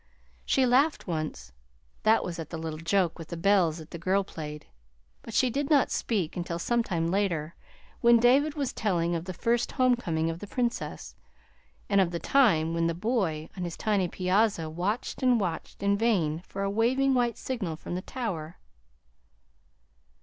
She laughed once, that was at the little joke with the bells that the girl played, but she did not speak until sometime later when David was telling of the first home coming of the Princess, and of the time when the boy on his tiny piazza watched and watched in vain for a waving white signal from the tower.